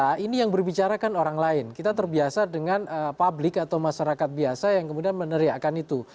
nah nah nah ini yang berbicarakan orang lain kita terbiasa dengan publik atau masyarakat biasa yang kemudian meneriakan itu